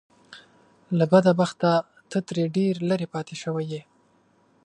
له بده بخته ته ترې ډېر لرې پاتې شوی يې .